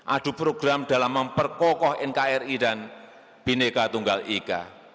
adu program dalam memperkokoh nkri dan bineka tunggal ika